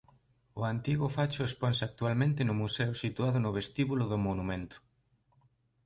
O antigo facho exponse actualmente no museo situado no vestíbulo do monumento.